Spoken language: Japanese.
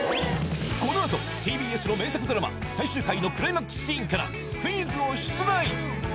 このあとＴＢＳの名作ドラマ最終回のクライマックスシーンからクイズを出題！